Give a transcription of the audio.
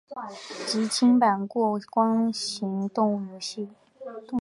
即清版过关型动作游戏。